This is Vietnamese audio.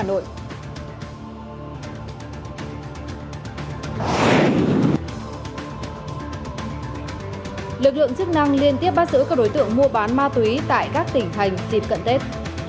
lực lượng chức năng liên tiếp bắt giữ các đối tượng mua bán ma túy tại các tỉnh thành dịp cận tết